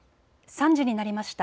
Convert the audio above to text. ３時になりました。